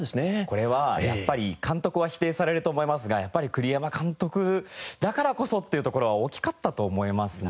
これはやっぱり監督は否定されると思いますがやっぱり栗山監督だからこそっていうところは大きかったと思いますね。